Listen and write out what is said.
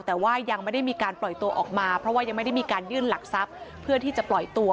แต่ว่ายังไม่ได้มีการปล่อยตัวออกมาเพราะว่ายังไม่ได้มีการยื่นหลักทรัพย์เพื่อที่จะปล่อยตัว